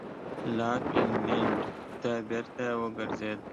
لاک انګلېنډ ته بېرته وګرځېد.